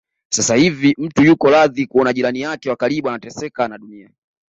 Sasa hivi mtu yuko radhi kuona jirani yake wa karibu anateseka na Dunia